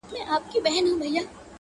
o ته نو اوس راسه. له دوو زړونو تار باسه.